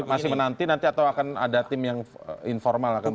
masih menanti atau akan ada tim yang informal